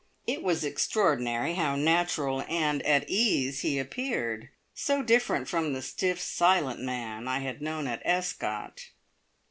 It was extraordinary how natural and at his ease he appeared; so different from the stiff, silent man I had known at Escott!